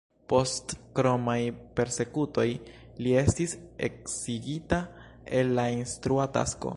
Post kromaj persekutoj, li estis eksigita el la instrua tasko.